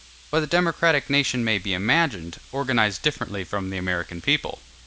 But a democratic nation may be imagined, organized differently from the American people.